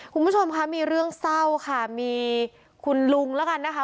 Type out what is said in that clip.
คุณผู้ชมคะมีเรื่องเศร้าค่ะมีคุณลุงแล้วกันนะคะ